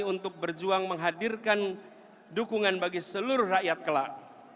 untuk berjuang menghadirkan dukungan bagi seluruh rakyat kelak